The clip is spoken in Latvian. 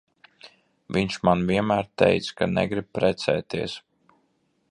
Viņš man vienmēr teica, ka negrib precēties.